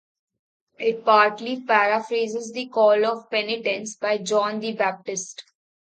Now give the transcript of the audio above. It partly paraphrases the call to penitence by John the Baptist.